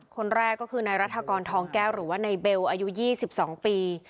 คนแรกก็คือนายรัฐกรทองแก้วหรือว่านายเบลอายุ๒๒ปี